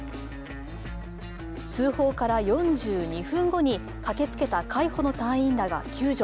通報から４２分後に駆けつけた海保の隊員らが救助。